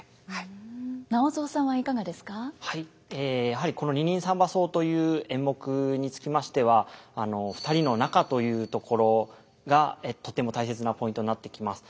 やはりこの「二人三番叟」という演目につきましては「二人の仲」というところがとても大切なポイントになってきます。